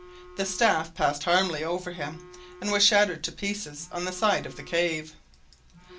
The staff passed harmlessly over him and was shattered to pieces on the side of the cave.